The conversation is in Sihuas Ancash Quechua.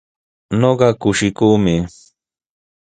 Ñuqa kushikuumi.